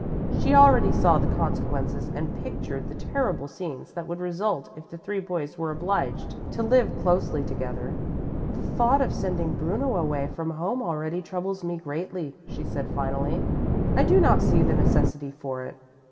She already saw the consequences and pictured the terrible scenes that would result if the three boys were obliged to live closely together. "The thought of sending Bruno away from home already troubles me greatly," she said finally. "I do not see the necessity for it.